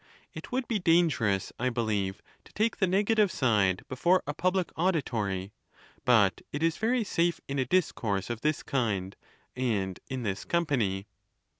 It would be dangerous, I believe, to take the negative side before a public auditory ; but it is very safe in a discourse of this kind, and in this company.